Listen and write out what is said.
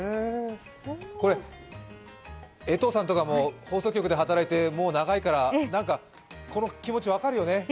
江藤さんとかも、放送局で働いてもう長いから、この気持ち分かるよね？